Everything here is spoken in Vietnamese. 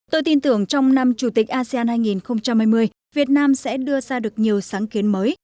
tôi tin tưởng trong năm chủ tịch asean hai nghìn hai mươi việt nam sẽ đưa ra được nhiều sáng kiến mới